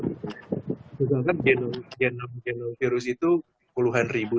sedangkan genom genom virus itu puluhan ribu